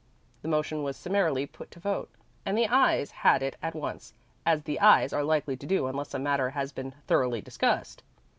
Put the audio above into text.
The motion was summarily put to vote, and the ayes had it at once, as the ayes are likely to do unless a matter has been thoroughly discussed.